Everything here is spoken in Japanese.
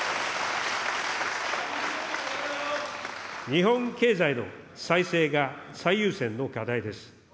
日本経済の再生が最優先の課題です。